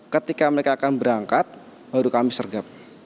ketika mereka akan berangkat baru kami sergap